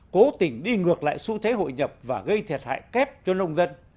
cố tình đi ngược lại xu thế hội nhập và gây thiệt hại kép cho nông dân